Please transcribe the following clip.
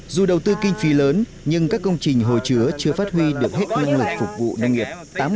dù đầu tư kinh phí lớn nhưng các công trình hồ chứa chưa phát huy được hết năng lực phục vụ nông nghiệp